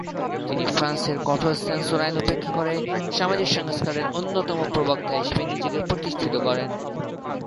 তিনি ফ্রান্সের কঠোর সেন্সর আইন উপেক্ষা করে সামাজিক সংস্কারের অন্যতম প্রবক্তা হিসেবে নিজেকে প্রতিষ্ঠিত করেন।